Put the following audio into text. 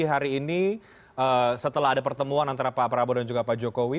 hari ini setelah ada pertemuan antara pak prabowo dan juga pak jokowi